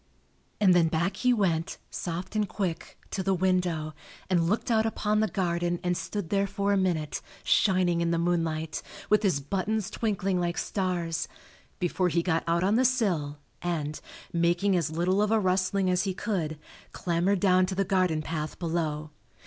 And then back he went, soft and quick, to the window and looked out upon the garden and stood there for a minute, shining in the moonlight, with his buttons twinkling like stars, before he got out on the sill and, making as little of a rustling as he could, clambered down to the garden path below.